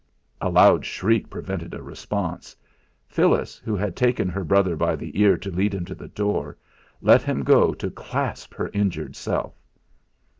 A loud shriek prevented a response. Phyllis, who had taken her brother by the ear to lead him to the door, let him go to clasp her injured self.